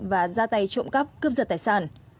và ra tay trộm cắp cướp giật tài sản